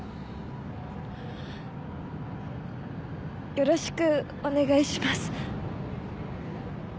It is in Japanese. よろしくお願いします。